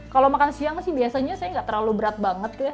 kalau makan siang sih biasanya saya nggak terlalu berat banget ya